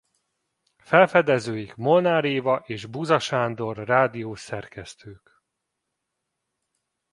Felfedezőik Molnár Éva és Buza Sándor rádiós szerkesztők.